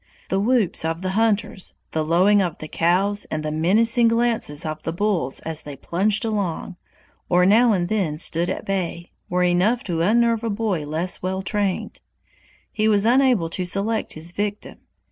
The whoops of the hunters, the lowing of the cows, and the menacing glances of the bulls as they plunged along, or now and then stood at bay, were enough to unnerve a boy less well tried. He was unable to select his victim.